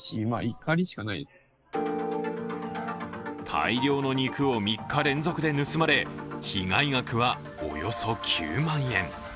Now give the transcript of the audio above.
大量の肉を３日連続で盗まれ被害額はおよそ９万円。